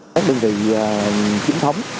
các đơn vị chính thống